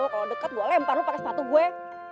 kalau dekat gue lempar lo pakai sepatu gue